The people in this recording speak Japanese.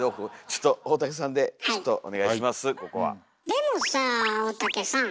でもさあ大竹さん。